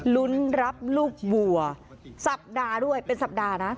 ลุ้นรับลูกวัวสัปดาห์ด้วยเป็นสัปดาห์นะ